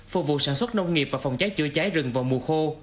phục vụ sản xuất nông nghiệp và phòng cháy chữa cháy rừng vào mùa khô